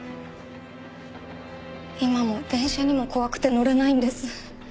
今も電車にも怖くて乗れないんです。